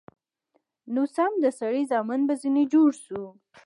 نو سم د سړي زامن به ځنې جوړ سو.